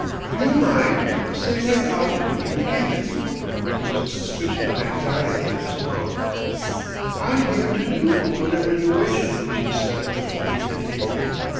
"Do you mind? Say right out if you'd hate it." There was a suspicion of anxiety in his tone. "I'm here to do whatever you wish," she said with dignity.